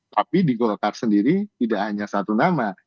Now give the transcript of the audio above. tapi di golkar sendiri tidak hanya satu nama